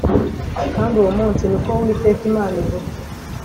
Kandi uwo munsi, ni ko Uwiteka Imana ivuga